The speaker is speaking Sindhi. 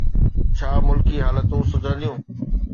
ڇا ملڪي حالتون سڌرنديون؟